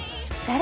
誰？